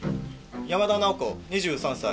山田奈緒子２３歳。